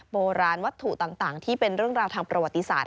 โบราณวัตถุต่างที่เป็นเรื่องราวทางประวัติศาสต